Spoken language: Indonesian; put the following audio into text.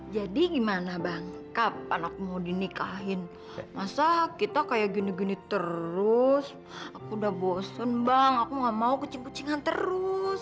jadi gimana bang kapan mau dinikahiin masa kita kayak gini gini terus udah bosen bang aku nggak mau kecing kecingan terus